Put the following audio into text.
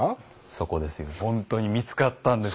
そこですよ。